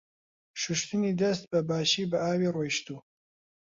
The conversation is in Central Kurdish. شوشتنی دەست بە باشی بە ئاوی ڕۆیشتوو.